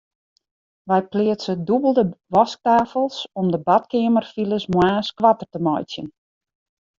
Wy pleatse dûbelde wasktafels om de badkeamerfiles moarns koarter te meitsjen.